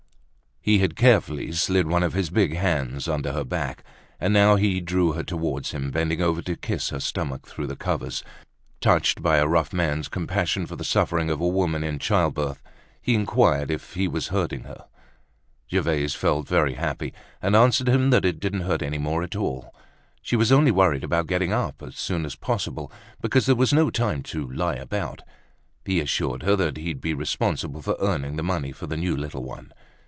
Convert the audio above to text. He had carefully slid one of his big hands under her back, and now he drew her toward him, bending over to kiss her stomach through the covers, touched by a rough man's compassion for the suffering of a woman in childbirth. He inquired if he was hurting her. Gervaise felt very happy, and answered him that it didn't hurt any more at all. She was only worried about getting up as soon as possible, because there was no time to lie about now. He assured her that he'd be responsible for earning the money for the new little one.